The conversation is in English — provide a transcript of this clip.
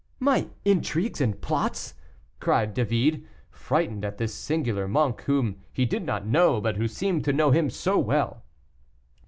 "My intrigues and plots!" cried David, frightened at this singular monk, whom he did not know, but who seemed to know him so well.